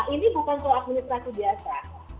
ini bukan soal administrasi biasa